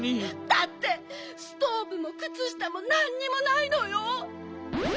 だってストーブもくつしたもなんにもないのよ！